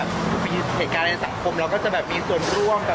คือมีเหตุการณ์ในสังคมเราก็จะแบบมีส่วนร่วมกับ